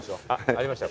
ありました。